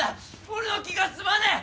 俺の気が済まねえ！